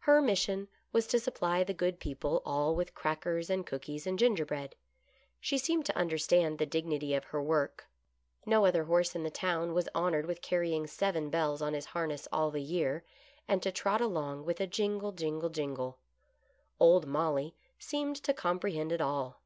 Her mission was to supply the good people all with crackers and cookies and gingerbread ; she seemed to understand the dignity of her work ; no other horse in 48 GOOD LUCK. 49 the town was honored with carrying seven bells on his harness all the year, and to trot along with a jingle, jin gle, jingle. Old Molly seemed to comprehend it all.